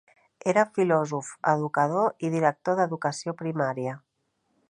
Era filòsof, educador i director d'educació primària.